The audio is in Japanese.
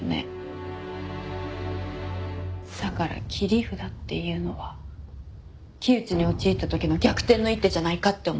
だから「切り札」っていうのは窮地に陥った時の逆転の一手じゃないかって思って。